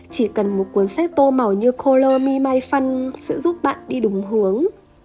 chỉ cần một cuốn sách tô màu như color me my fun sẽ giúp bạn đi đúng hướng